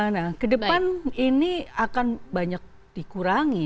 nah kedepan ini akan banyak dikurangi